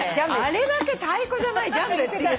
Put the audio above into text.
あれだけ太鼓じゃないジャンベって言ってたのに。